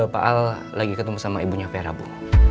pak al lagi ketemu sama ibunya vera bu